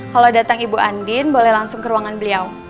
kalau datang ibu andin boleh langsung ke ruangan beliau